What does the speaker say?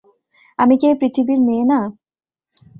আমি কি এই পৃথিবীর মেয়ে না?